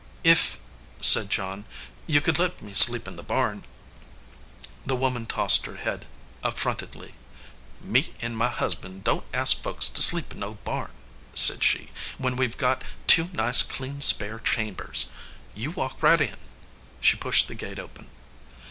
"If," said John, "you could let me sleep in the barn " The woman tossed her head affrontedly. "Me 289 EDGEWATER PEOPLE and my husband don t ask folks to sleep in no barn," said she, "when we ve got two nice, clean spare chambers. You walk right in." She pushed the gate open.